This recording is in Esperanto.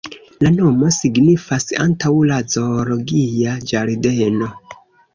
La nomo signifas "antaŭ la zoologia ĝardeno".